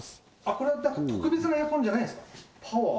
これ特別なエアコンじゃないんですか？